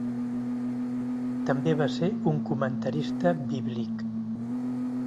També va ser un comentarista bíblic.